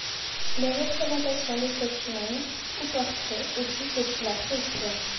Les représentations de tête humaine, ou portrait, existent depuis la préhistoire.